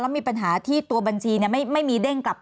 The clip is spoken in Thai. แล้วมีปัญหาที่ตัวบัญชีไม่มีเด้งกลับ